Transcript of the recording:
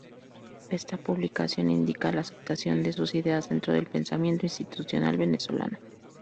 Esta publicación indica la aceptación de sus ideas dentro del pensamiento institucional venezolano.